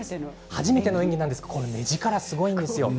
初めての映画なんですけれども目力がすごいんですよ。